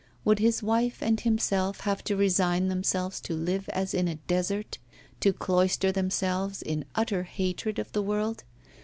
Would his wife and himself have to resign themselves to live as in a desert, to cloister themselves in utter hatred of the world?